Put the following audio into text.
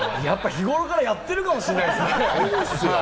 日頃からやってるかもしれないですね。